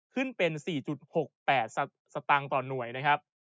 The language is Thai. ขึ้นเป็น๔๖๘สตางค์ต่อหน่วยนะครับ